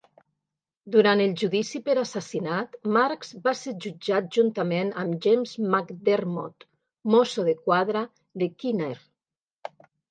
Durant el judici per assassinat, Marks va ser jutjat juntament amb James McDermott, mosso de quadra de Kinnear.